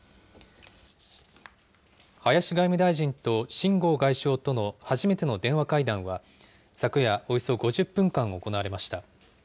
林外務大臣と秦剛外相との初めての電話会談は、昨夜、およそ５０分間、行われました。